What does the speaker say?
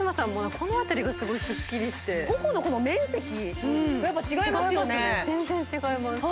このあたりがすごいスッキリして頬の面積やっぱ違いますよね全然違います